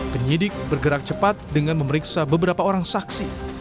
penyidik bergerak cepat dengan memeriksa beberapa orang saksi